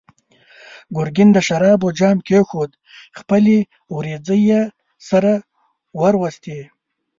ګرګين د شرابو جام کېښود، خپلې وروځې يې سره وروستې.